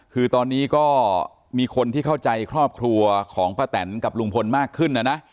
คือตอนนี้ก็มีคนที่เข้าใจครอบครัวของป้าแตนกับลุงพลมากขึ้นนะนะ